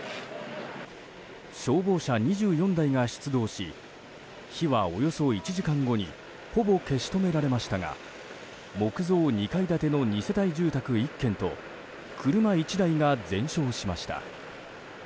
消防車２４台が出動し火はおよそ１時間後にほぼ消し止められましたが木造２階建ての２世帯住宅１軒と車１台が全焼しました。